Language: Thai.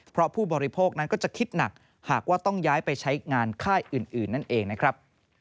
เพราะผู้บริโภคนั้นก็จะคิดหนักหากว่าต้องย้ายไปใช้งานค่ายอื่นนั่นเองนะครับ